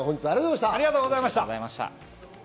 森末さん、ありがとうございました。